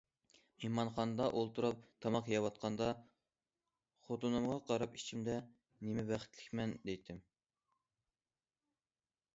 مېھمانخانىدا ئولتۇرۇپ تاماق يەۋاتقاندا خوتۇنۇمغا قاراپ ئىچىمدە:« نېمە بەختلىكمەن!» دەيتتىم.